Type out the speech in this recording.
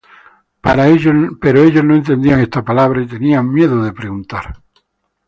Pero ellos no entendían esta palabra, y tenían miedo de preguntarle.